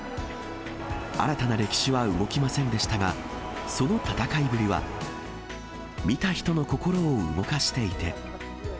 新たな歴史は動きませんでしたが、その戦いぶりは、見た人の心を動かしていて。